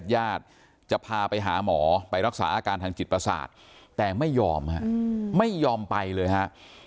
ญาติจะพาไปหาหมอไปรักษาอาการทางจิตประสาทแต่ไม่ยอมฮะไม่ยอมไปเลยฮะ